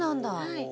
はい。